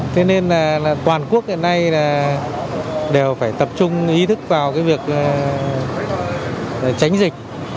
thế nên là toàn quốc hiện nay đều phải tập trung ý thức vào cái việc tránh dịch